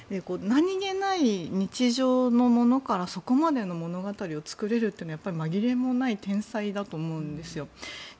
何げない日常のものからそこまでの物語を作れるというのは紛れもない天才だと思うんですよ。